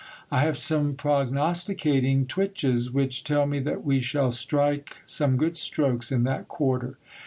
I have some prognosticating twitches, which tell me that we shall strike some good strokes in that quarter.